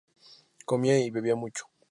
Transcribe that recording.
Comía y bebía mucho.